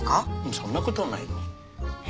そんなことはないの。